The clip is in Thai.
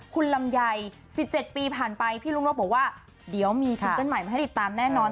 คุณลำไย๑๗ปีผ่านไปพี่ลุงนบบอกว่าเดี๋ยวมีซิงเกิ้ลใหม่มาให้ติดตามแน่นอน